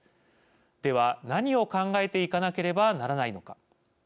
では、何を考えていかなければならないのか。